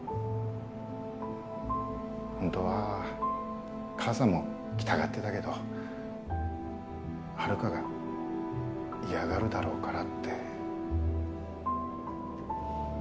本当は母さんも来たがってたけどハルカが嫌がるだろうからって。